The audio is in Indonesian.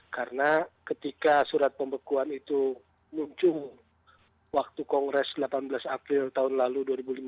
karena ketika surat pembekuan itu muncung waktu kongres delapan belas april tahun lalu dua ribu lima belas